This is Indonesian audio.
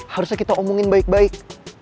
harusnya kita omongin baik baik